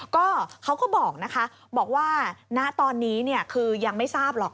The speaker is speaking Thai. ก็เขาก็บอกนะคะบอกว่าณตอนนี้คือยังไม่ทราบหรอก